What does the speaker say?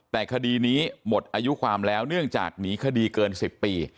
แต่คดีนี้หมดอายุความแล้วเนื่องจากหนีคดีเกิน๑๐ปี